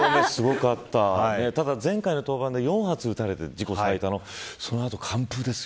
ただ前回の登板で４発打たれて、自己最多のその後、完封ですよ。